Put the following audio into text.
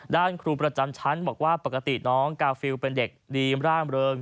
ครูประจำชั้นบอกว่าปกติน้องกาฟิลเป็นเด็กดีร่ามเริง